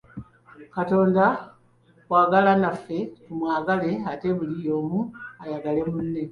Katonda kwagala, naffe tumwagale ate buli omu ayagale munne.